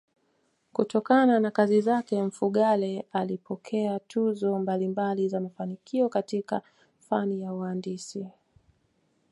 Kutokana na kazi zake Mfugale amepokea tuzo mbalimbai za mafanikio katika fani ya uhandisi